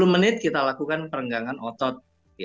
sepuluh menit kita lakukan perenggangan otot